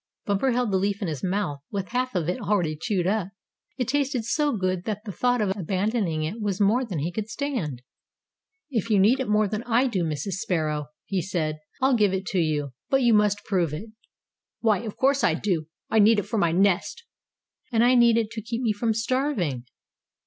Bumper held the leaf in his mouth, with half of it already chewed up. It tasted so good that the thought of abandoning it was more than he could stand. "If you need it more than I do, Mrs. Sparrow," he said, "I'll give it to you. But you must prove it." "Why, of course I do. I need it for my nest." "And I need it to keep me from starving."